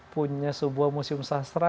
punya sebuah museum sastra